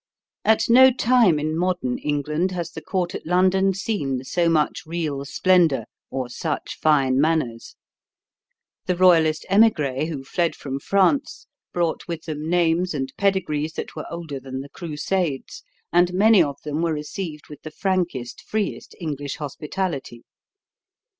At no time in modern England has the court at London seen so much real splendor or such fine manners. The royalist emigres who fled from France brought with them names and pedigrees that were older than the Crusades, and many of them were received with the frankest, freest English hospitality.